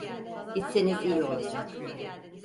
Gitseniz iyi olacak.